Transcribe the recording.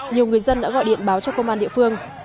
nhiều người dân đã gọi điện báo cho công an địa phương